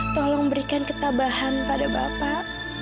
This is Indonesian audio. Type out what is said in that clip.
tolong berikan ketabahan pada bapak